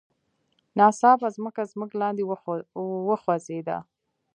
ناڅاپه ځمکه زموږ لاندې وخوزیده.